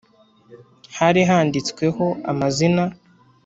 hari handitsweho amazina